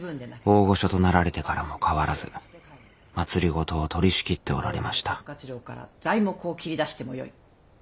大御所となられてからも変わらず政を取りしきっておられました材木を切り出してもよい。